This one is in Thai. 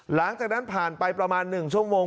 หลังจากนั้นผ่านไปประมาณ๑ชั่วโมง